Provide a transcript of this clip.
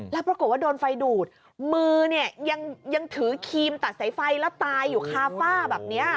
แล้วปรากฏว่าโดนไฟดูดมือเนี่ยยังถือครีมตัดสายไฟแล้วตายอยู่คาฝ้าแบบนี้